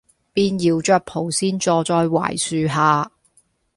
便搖著蒲扇坐在槐樹下，